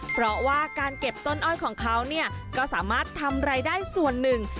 เพราะว่าการเก็บต้นอ้อยของเขาก็สามารถทำรายได้ส่วนหนึ่ง